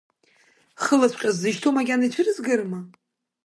Хылаҵәҟьа сзышьҭоу макьана ицәырызгарыма?